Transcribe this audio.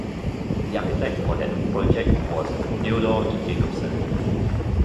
The architect for that project was Theodore Jacobsen.